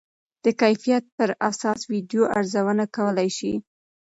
د کیفیت پر اساس ویډیو ارزونه کولی شئ.